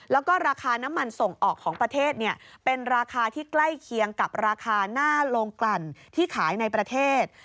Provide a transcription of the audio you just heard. แล้วก็ราคาน้ำมันส่งออกของประเทศเป็นราคาที่ใกล้เคียงกับราคาหน้าโรงกลั่นที่ขายในประเทศ